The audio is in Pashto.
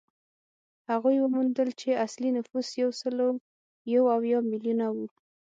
هغوی وموندل چې اصلي نفوس یو سل یو اویا میلیونه و